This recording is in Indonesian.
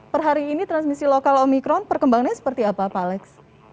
per hari ini transmisi lokal omikron perkembangannya seperti apa pak alex